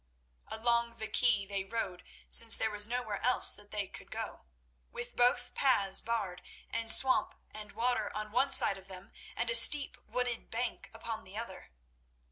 Along the quay they rode, since there was nowhere else that they could go, with both paths barred, and swamp and water on one side of them, and a steep, wooded bank upon the other.